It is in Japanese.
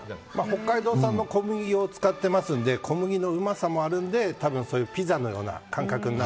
北海道産の小麦を使っていますので小麦のうまさもあうのでピザのような感覚に